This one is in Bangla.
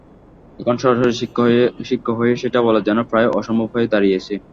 এখন সরাসরি শিক্ষক হয়ে সেটা বলা যেন প্রায় অসম্ভব হয়ে দাঁড়িয়েছে।